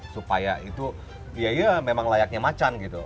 supaya itu ya iya memang layaknya macan gitu